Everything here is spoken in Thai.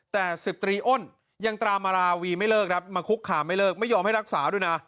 แต่๑๐ตรีอ้นยังตามมาราวีไม่เลิกครับมาคุกคามไม่เลิกไม่ยอมให้รักษาด้วยนะ